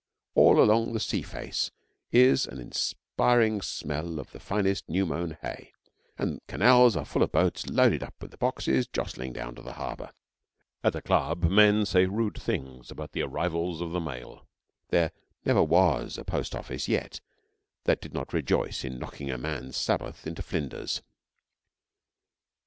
All along the sea face is an inspiring smell of the finest new mown hay, and canals are full of boats loaded up with the boxes jostling down to the harbour. At the club men say rude things about the arrivals of the mail. There never was a post office yet that did not rejoice in knocking a man's Sabbath into flinders.